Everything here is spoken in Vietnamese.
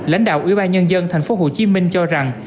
lãnh đạo ủy ban nhân dân tp hcm cho rằng